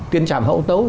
tiền trảm hậu tấu